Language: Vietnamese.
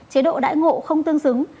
chế độ đãi ngộ không tương xứng